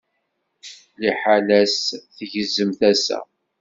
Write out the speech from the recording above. Liḥala-s tgezzem tasa.